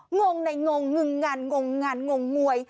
งงในงงงึงงันงงงานงงงวย